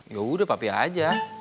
yaudah papi aja